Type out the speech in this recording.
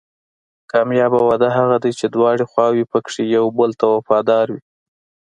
کامیابه واده هغه دی چې دواړه خواوې پکې یو بل ته وفادار وي.